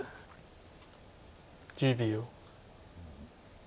１０秒。